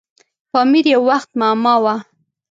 پامیر یو وخت معما وه.